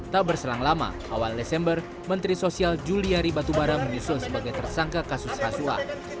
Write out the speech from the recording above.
tak berselang lama awal desember menteri sosial juliari batubara menyusul sebagai tersangka kasus rasuah